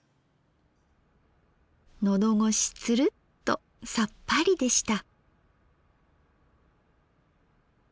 のどごしツルッとさっぱりでした。